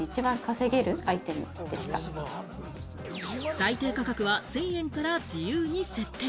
最低価格は１０００円から自由に設定。